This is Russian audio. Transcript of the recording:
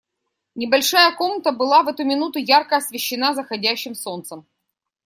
Небольшая комната была в эту минуту ярко освещена заходящим солнцем.